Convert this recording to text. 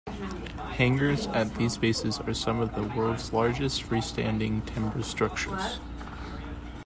Hangars at these bases are some of the world's largest freestanding timber structures.